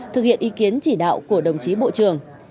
thực hiện ý kiến chỉ đạo của đồng chí bộ trưởng